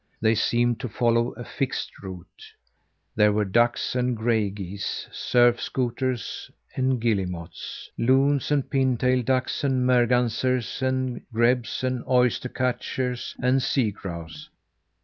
They seemed to follow a fixed route. There were ducks and gray geese, surf scoters and guillemots, loons and pin tail ducks and mergansers and grebes and oyster catchers and sea grouse.